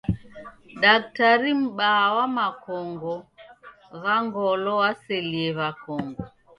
Daktari m'baa wa makongo gha ngolo waselie w'akongo.